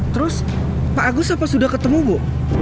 terus pak agus apa sudah ketemu bu